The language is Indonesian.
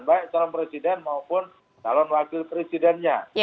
baik calon presiden maupun calon wakil presidennya